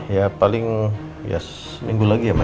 ya paling seminggu lagi ya maya